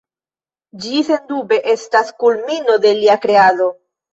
Ĝi sendube estas kulmino de lia kreado.